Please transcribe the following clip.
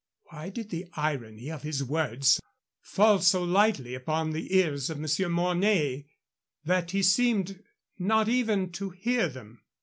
Why did the irony of his words fall so lightly upon the ears of Monsieur Mornay that he seemed not even to hear them?